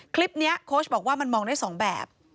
คลิปนี้โค้ชบอกว่ามันมองได้๒แบบ